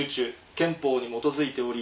「憲法に基づいており」